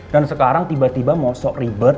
dan sekarang tiba tiba mau sok ribet